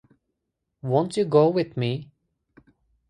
Won't you go with me?